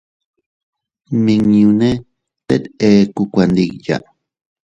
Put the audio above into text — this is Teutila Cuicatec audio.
Nmiñune teet ekku kuandiya.